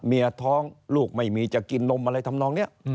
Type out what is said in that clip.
ท้องลูกไม่มีจะกินนมอะไรทำนองนี้